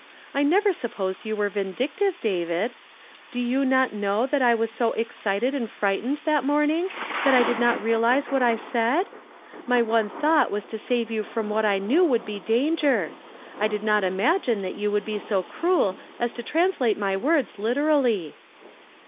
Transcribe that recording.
I never sui) posed you were vhidictive, David. Do \ not know that I was so excited and frighteiK morning that I did not realize what 1 said one thought was to save you from what I t would be danger. I did not imagine that would be so cruel as to translate my words erally."